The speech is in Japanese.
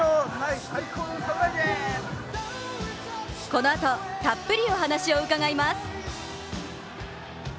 このあと、たっぷりお話を伺います。